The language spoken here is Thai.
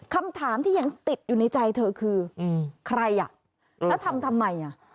คำถามที่ยังติดอยู่ในใจเธอคือใครอ่ะแล้วทำทำไมอ่ะ